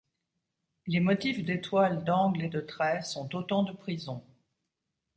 les motifs d'étoiles d'angles et de traits sont autant de prisons.